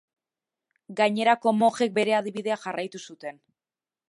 Gainerako mojek bere adibidea jarraitu zuten.